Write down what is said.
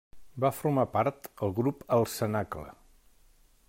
Va formar part, el grup El Cenacle.